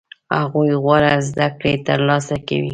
هغوی غوره زده کړې ترلاسه کوي.